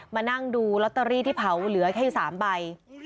มานั่งดูลอตเตอรี่ที่เผาเหลือแค่๓ใบ